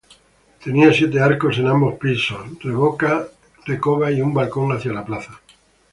Tenía siete arcos en ambos pisos, recova y un balcón hacia la plaza.